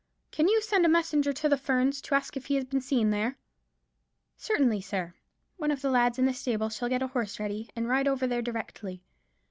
"Can you send a messenger to the Ferns, to ask if he has been seen there?" "Certainly, sir. One of the lads in the stable shall get a horse ready, and ride over there directly.